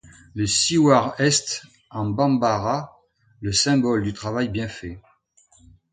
Le ciwara est, en bambara, le symbole du travail bien fait.